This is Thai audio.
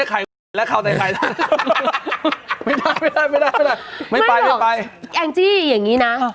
ไม่ได้ไม่ไปงี้นะ